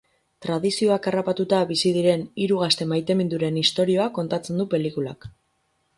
Tradizioak harrapatuta bizi diren hiru gazte maiteminduren istorioa kontatzen du pelikulak.